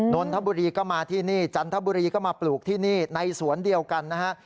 นนทบุรีก็มาที่นี่จันทบุรีก็มาปลูกที่นี่ในสวนเดียวกันนะฮะ